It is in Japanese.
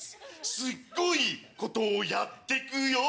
すっごいことをやってくよ。